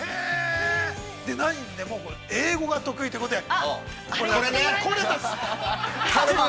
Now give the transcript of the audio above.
何、英語が得意ということで、◆頼む。